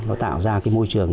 nó tạo ra môi trường